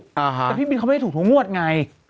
แต่พี่บินเขาไม่ได้ถูกทุกงวดไง